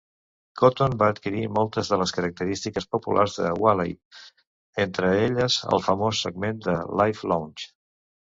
Cotton va adquirir moltes de les característiques populars de Whiley, entre elles el famós segment de Live Lounge.